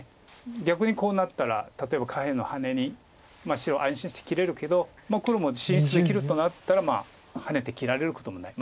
逆にこうなったら例えば下辺のハネに白安心して切れるけど黒も進出できるとなったらハネて切られることもない。